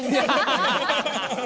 ハハハハ。